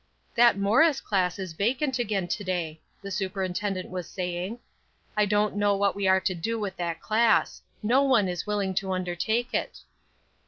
"That Morris class is vacant again to day," the superintendent was saying; "I don't know what we are to do with that class; no one is willing to undertake it."